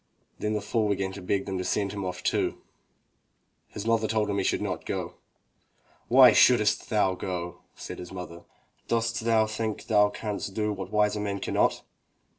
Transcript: Then the fool began to beg them to send him off too. His mother told him he should not go. "Why shouldst thou go?'* said his mother. "Dost thou think thou canst do what wiser men cannot?"